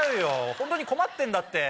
本当に困ってんだって！